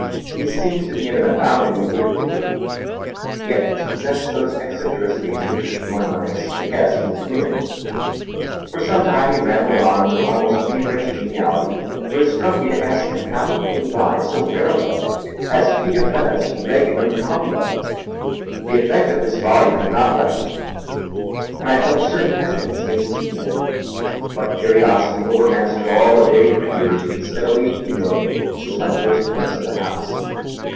He seemed to be in an aboundingly good humour, yet to possess those eccentricities which one might guess from his grooming. For some time he rambled on with an almost feverish geniality, when it struck me to ask him how he came by so rare a book as Pigafetta's Regnum Congo. The effect of this volume had not left me, and I felt a certain hesitancy in speaking of it; but curiosity overmastered all the vague fears which had steadily accumulated since my first glimpse of the house.